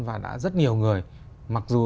và đã rất nhiều người mặc dù